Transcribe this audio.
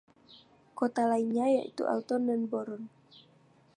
Kota lainnya yaitu Alton dan Boron.